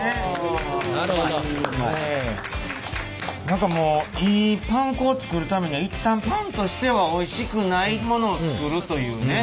何かもういいパン粉を作るためには一旦パンとしてはおいしくないものを作るというね。